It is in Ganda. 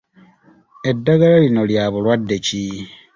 Eddagala lino lya bulwadde ki?